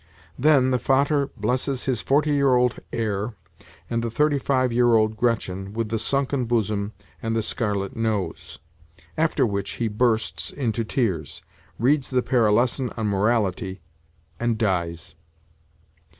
Then the 'Vater' blesses his forty year old heir and the thirty five year old Gretchen with the sunken bosom and the scarlet nose; after which he bursts, into tears, reads the pair a lesson on morality, and dies.